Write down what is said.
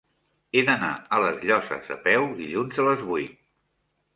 He d'anar a les Llosses a peu dilluns a les vuit.